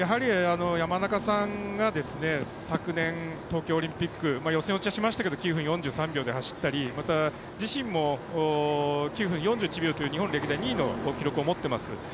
山中さんが昨年、東京オリンピック予選落ちはしましたけど９分４３秒で走ったり、自身も９分４１秒という日本歴代２位の記録を持っています